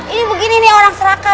ini begini nih orang seraka